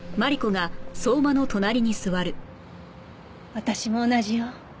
私も同じよ。